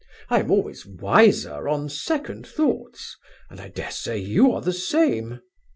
I am always wiser on second thoughts, and I dare say you are the same.